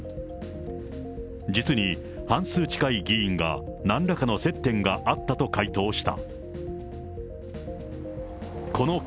実に半数近い議員が、なんらかの接点があったと回答した。